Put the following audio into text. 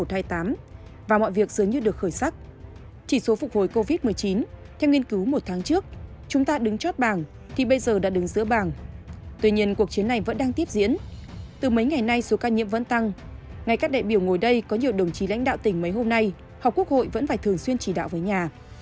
học quốc hội vẫn phải thường xuyên chỉ đạo với nhà